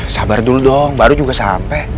sabar dulu dong baru juga sampai